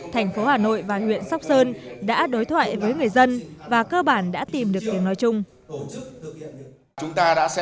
thành phố hà nội và huyện sóc sơn đã đối thoại với người dân và cơ bản đã tìm được tiếng nói chung